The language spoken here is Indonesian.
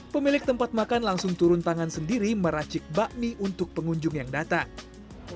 pemilik tempat makan langsung turun tangan sendiri meracik bakmi untuk pengunjung yang datang